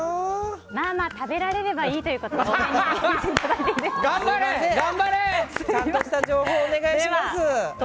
まあまあ食べられればいいということで。